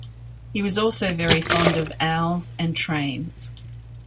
He was also very fond of owls and trains.